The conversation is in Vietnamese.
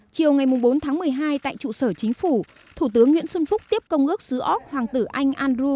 chiều ngày bốn tháng một mươi hai tại trụ sở chính phủ thủ tướng nguyễn xuân phúc tiếp công ước sứ ốc hoàng tử anh andro